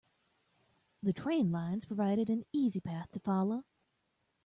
The train lines provided an easy path to follow.